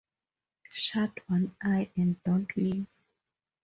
Shut one eye, and don't leave.